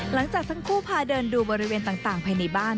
หลังจากทั้งคู่พาเดินดูบริเวณต่างภายในบ้าน